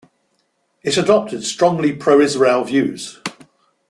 It adopted strongly pro-Israel views.